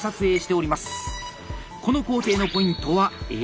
この工程のポイントは「襟」。